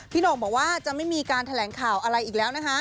โหน่งบอกว่าจะไม่มีการแถลงข่าวอะไรอีกแล้วนะคะ